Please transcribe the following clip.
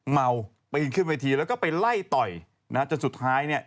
เมาปีนขึ้นเวทีแล้วก็ไปไล่ต่อยนะฮะจนสุดท้ายเนี่ย